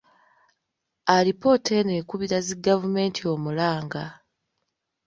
Alipoota eno ekubira zi gavumenti omulanga.